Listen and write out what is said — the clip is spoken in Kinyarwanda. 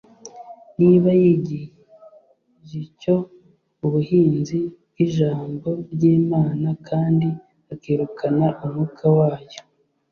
niba yigijcyo uburinzi bw'Ijambo ry'Imana kandi akirukana Umwuka wayo.